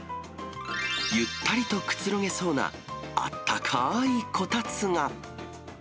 ゆったりとくつろげそうなあったかーいこたつが。